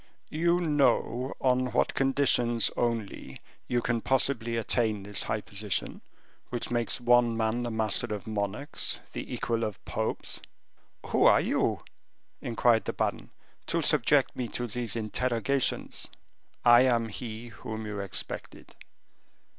"You know on what conditions only you can possibly attain this high position, which makes one man the master of monarchs, the equal of popes?" "Who are you," inquired the baron, "to subject me to these interrogations?" "I am he whom you expected."